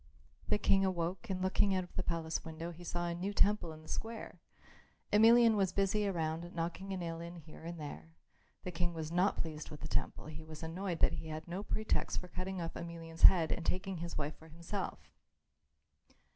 The King awoke and looking out of the palace window he saw a new temple in the square. Emelian was busy around, knocking a nail in here and there. The King was not pleased with the temple; he was annoyed that he had no pretext for cutting off Emelian's head and taking his wife for himself.